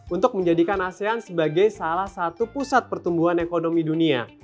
untuk menjadikan asean sebagai salah satu pusat pertumbuhan ekonomi dunia